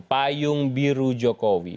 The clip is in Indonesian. payung biru jokowi